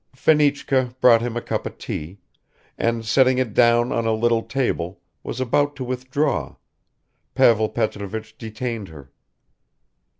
Fenichka brought him a cup of tea, and setting it down on a little table, was about to withdraw, Pavel Petrovich detained her.